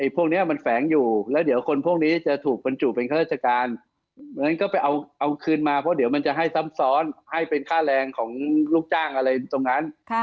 พวกนี้มันแฝงอยู่แล้วเดี๋ยวคนพวกนี้จะถูกบรรจุเป็นข้าราชการเหมือนก็ไปเอาคืนมาเพราะเดี๋ยวมันจะให้ซ้ำซ้อนให้เป็นค่าแรงของลูกจ้างอะไรตรงนั้น